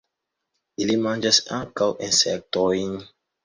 Ili manĝas ankaŭ insektojn.